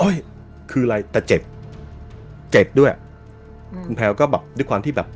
คืออะไรแต่เจ็บเจ็บด้วยคุณแพลวก็แบบด้วยความที่แบบ